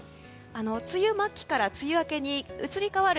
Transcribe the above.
梅雨末期から梅雨明けに移り変わる